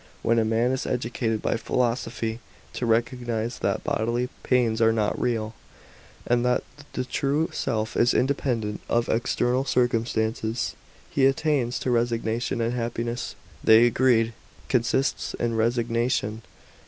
When a man is educated by philosophy to recognise that bodily pains are not real, and that the true self is independent of external circum stances, he attains to resignation; and happiness, they agreed, consists in resignation.